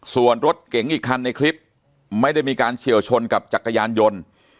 ส่วนรถก็มอยู่ครับในคริปไม่ได้มีการเฉียวชนรถจักรยานยนต์